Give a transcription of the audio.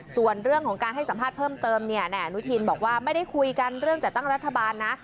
ส่วนเรื่องของการให้สัมภาษณ์เพิ่มเติมเนี่ยนายอนุทินบอกว่าไม่ได้คุยกันเรื่องจัดตั้งรัฐบาลนะ